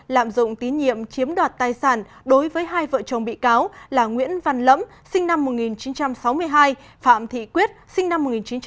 lạm dụng tín nhiệm chiếm đoạt tài sản đối với hai vợ chồng bị cáo là nguyễn văn lẫm sinh năm một nghìn chín trăm sáu mươi hai phạm thị quyết sinh năm một nghìn chín trăm tám mươi